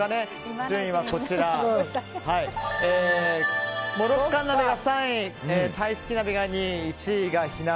順位は、モロッカン鍋が３位タイスキ鍋が２位１位が火鍋。